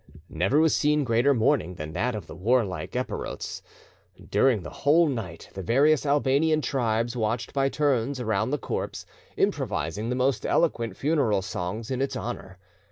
Never was seen greater mourning than that of the warlike Epirotes. During the whole night, the various Albanian tribes watched by turns around the corpse, improvising the most eloquent funeral songs in its honour.